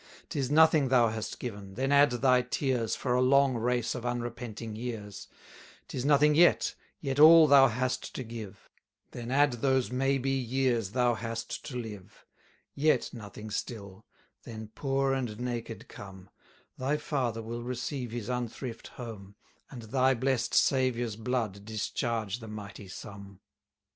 290 'Tis nothing thou hast given, then add thy tears For a long race of unrepenting years: 'Tis nothing yet, yet all thou hast to give: Then add those may be years thou hast to live: Yet nothing still; then poor, and naked come: Thy father will receive his unthrift home, And thy blest Saviour's blood discharge the mighty sum.